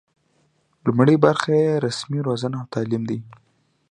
لومړۍ برخه یې رسمي روزنه او تعلیم دی.